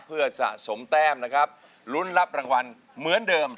เพื่อสะสมแต้มนะครับลุ้นรับรางวัลเหมือนเดิม